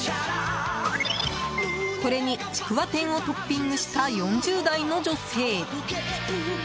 これに、ちくわ天をトッピングした、４０代の女性。